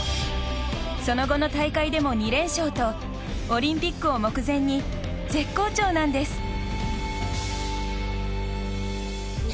その後の大会でも２連勝とオリンピックを目前に絶好調なんです。